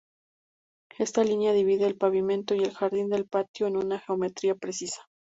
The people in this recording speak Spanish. Esta línea divide el pavimento y el jardín del patio en una geometría precisa.